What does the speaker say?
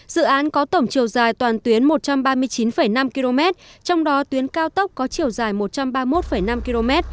dự án có tổng chiều dài toàn tuyến một trăm ba mươi chín năm km trong đó tuyến cao tốc có chiều dài một trăm ba mươi một năm km